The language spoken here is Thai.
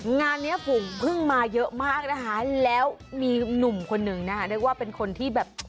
งานเนี้ยฝูงพึ่งมาเยอะมากนะคะแล้วมีหนุ่มคนหนึ่งนะคะเรียกว่าเป็นคนที่แบบ